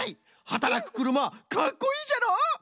はたらくくるまかっこいいじゃろ？